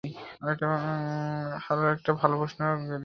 আরেকটা ভালো প্রশ্ন করলে, এডি।